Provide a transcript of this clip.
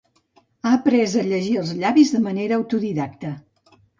ha après a llegir els llavis de manera autodidacta